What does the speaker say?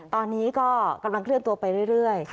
ตอนนี้ก็กำลังเคลื่อนตัวไปเรื่อย